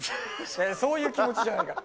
そういう気持ちじゃないから。